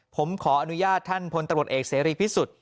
ผมขออนุญาตท่านพลตำรวจเอกเสรีพิสุทธิ์